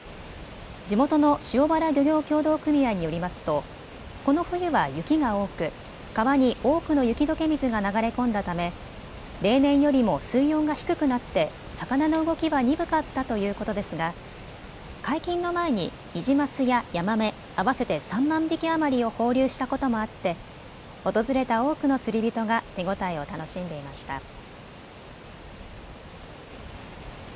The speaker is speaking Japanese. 地元の塩原漁業協同組合によりますとこの冬は雪が多く、川に多くの雪どけ水が流れ込んだため例年よりも水温が低くなって魚の動きが鈍かったということですが解禁の前にニジマスやヤマメ、合わせて３万匹余りを放流したこともあって訪れた多くの釣り人が手応えを楽しんでいました。